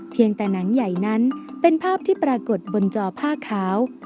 เพียงแต่หนังใหญ่นั้นเป็นภาพที่ปรากฏบนจอผ้าขาว